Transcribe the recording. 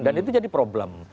dan itu jadi problem